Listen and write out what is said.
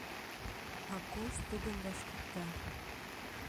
— Акош тудым вашкыкта.